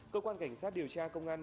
cơ quan cảnh sát điều tra công an